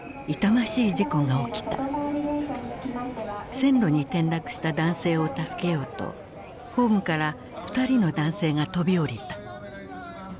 線路に転落した男性を助けようとホームから２人の男性が飛び降りた。